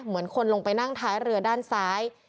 เหมือนคนลงไปนั่งท้ายเรือด้านซ้าย